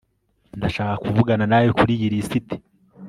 ndashaka kuvugana nawe kuriyi lisiti